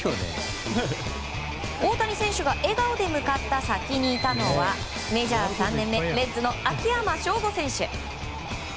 大谷選手が笑顔で向かった先にいたのはメジャー３年目レッズの秋山翔吾選手。